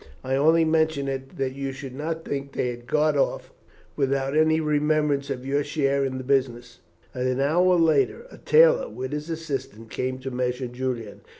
I only mention it that you should not think they had gone off without any remembrance of your share in the business." An hour later, a tailor with his assistant came to measure Julian.